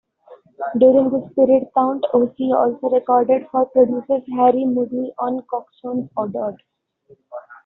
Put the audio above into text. During this period Count Ossie also recorded for producers Harry Mudie and Coxsone Dodd.